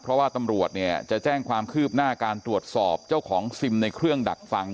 เพราะว่าตำรวจเนี่ยจะแจ้งความคืบหน้าการตรวจสอบเจ้าของซิมในเครื่องดักฟัง